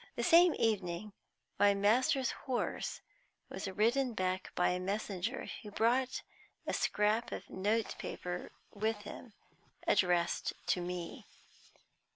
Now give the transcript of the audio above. The same evening my master's horse was ridden back by a messenger, who brought a scrap of notepaper with him addressed to me.